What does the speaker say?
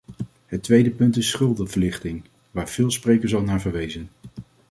Het tweede punt is schuldenverlichting, waar veel sprekers al naar verwezen.